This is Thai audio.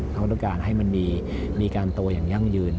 เขาต้องการให้มันมีการโตอย่างยั่งยืน